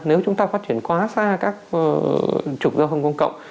nếu chúng ta phát triển quá xa các trục giao thông công cộng